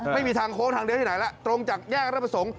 ไม่มีทางโค้งทางเดียวที่ไหนแล้วตรงจากแยกรับประสงค์